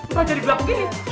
makanya jangan midi